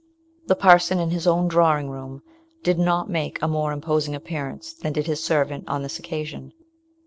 The parson in his own drawing room did not make a more imposing appearance than did his servant on this occasion.